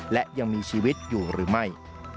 และยังมีชีวิตอยู่หรือไม่